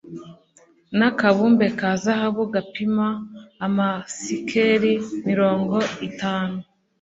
n'akabumbe ka zahabu gapima amasikeli mirongo itanu